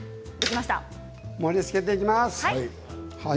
盛りつけていきます。